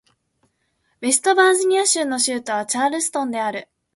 ウェストバージニア州の州都はチャールストンである